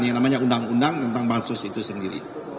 yang namanya undang undang tentang pansus itu sendiri